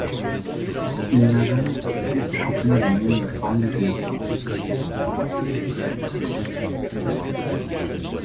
Il n'a jamais existé de championnat du monde de Formule Junior.